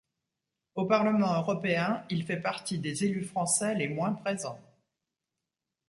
Au Parlement européen, il fait partie des élus français les moins présents.